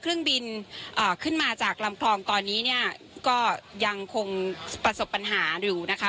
เครื่องบินขึ้นมาจากลำคลองตอนนี้เนี่ยก็ยังคงประสบปัญหาอยู่นะคะ